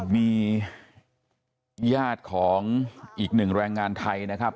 มีญาติของอีกหนึ่งแรงงานไทยนะครับ